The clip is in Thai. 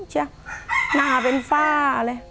หน้าเป็นฝ้าเลย